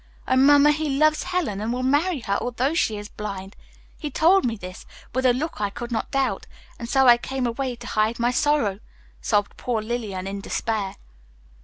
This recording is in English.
Oh, Mamma, he loves Helen, and will marry her although she is blind. He told me this, with a look I could not doubt, and so I came away to hide my sorrow," sobbed poor Lillian in despair.